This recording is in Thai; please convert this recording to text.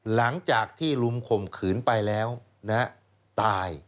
หลังจากที่ลุมข่มขืนไปแล้วตาย